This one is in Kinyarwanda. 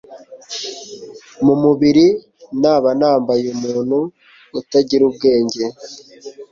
mu mubiri naba mbaye umuntu utagira ubwenge